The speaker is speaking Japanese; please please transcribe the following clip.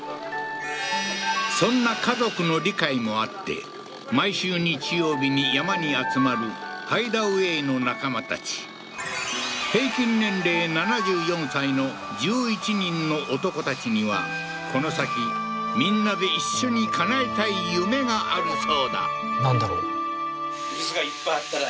そんな家族の理解もあって毎週日曜日に山に集まるＨＩＤＥＡＷＡＹの仲間たち平均年齢７４歳の１１人の男たちにはこの先みんなで一緒に叶えたい夢があるそうだなんだろう？